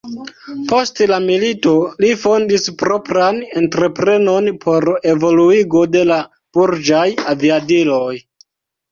Post la milito, li fondis propran entreprenon por evoluigo de la burĝaj aviadiloj.